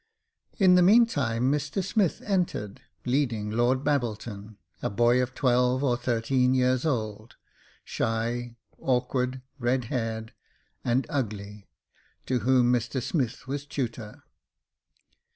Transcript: In the meantime Mr Smith entered, leading Lord Babbleton, a boy of twelve or thirteeen years old, shy, awkward, red haired, and ugly, to whom Mr Smith was tutor.